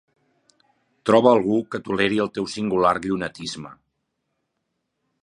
Troba algú que toleri el teu singular llunatisme.